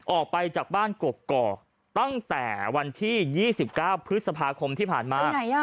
ออกไปจากบ้านกกอกตั้งแต่วันที่๒๙พฤษภาคมที่ผ่านมา